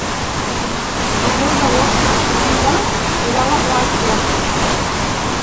El deu d'agost na Sibil·la irà a la platja.